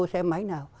xe máy nào